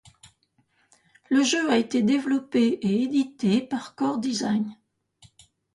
Le jeu a été développé et édité par Core Design.